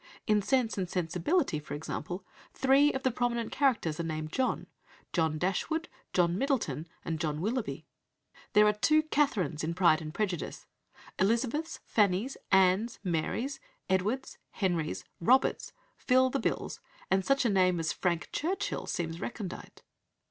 In Sense and Sensibility, for example, three of the prominent characters are named John John Dashwood, John Middleton, and John Willoughby. There are two Catherines in Pride and Prejudice. Elizabeths, Fannys, Annes, Marys, Henrys, Edwards, Roberts, "fill the bills," and such a name as Frank Churchill seems recondite.